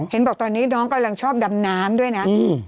เห็นบอกตอนนี้น้องกำลังชอบดำน้ำด้วยนะ